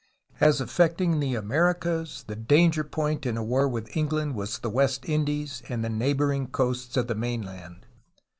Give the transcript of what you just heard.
As affecting the Americas the danger point in a war with England was the West Indies and the neighboring coasts of the mainland.